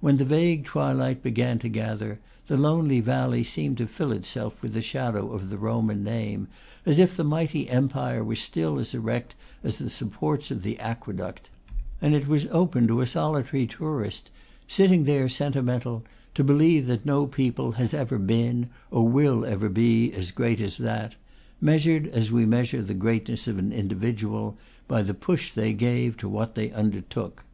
When the vague twilight began to gather, the lonely valley seemed to fill itself with the shadow of the Roman name, as if the mighty empire were still as erect as the supports of the aqueduct; and it was open to a solitary tourist, sitting there sentimental, to believe that no people has ever been, or will ever be, as great as that, measured, as we measure the greatness of an individual, by the push they gave to what they undertook.